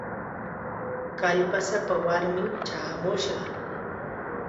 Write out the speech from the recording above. Kallpasapa warmim chaamushqa.